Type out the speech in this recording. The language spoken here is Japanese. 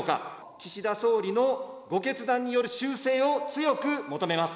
岸田総理のご決断による修正を強く求めます。